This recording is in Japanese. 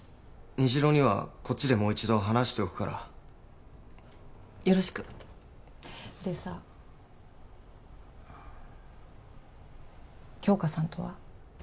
虹朗にはこっちでもう一度話しておくからよろしくでさ杏花さんとは？